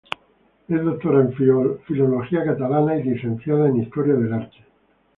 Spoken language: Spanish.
Es doctora en filología catalana y licenciada en historia del arte.